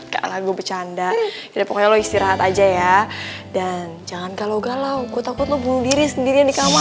kakak lagu bercanda jadi pokoknya lo istirahat aja ya dan jangan kalau galau gue takut lo bunuh diri sendirian di kamar